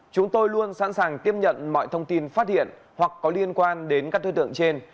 chúng tôi luôn sẵn sàng tiếp nhận mọi thông tin phát hiện hoặc có liên quan đến các đối tượng trên